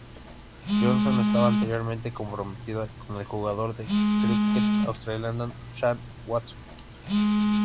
Johnson estaba anteriormente comprometida con el jugador de cricket australiano Shane Watson.